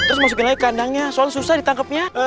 terus masukin lagi ke kandangnya soalnya susah ditangkapnya